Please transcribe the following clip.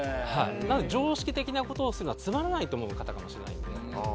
常識的な事をするのはつまらないと思う方かもしれないので。